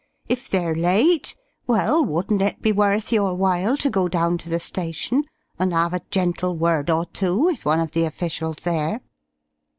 If they're late, well, wouldn't it be worth your while to go down to the station and 'ave a gentle word or two with one of the officials there?"